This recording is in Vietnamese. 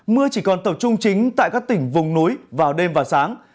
mưa chỉ còn tập trung chính tại các tỉnh vùng núi vào đêm và sáng